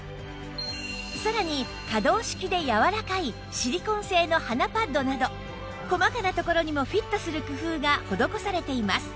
さらに可動式でやわらかいシリコン製の鼻パッドなど細かなところにもフィットする工夫が施されています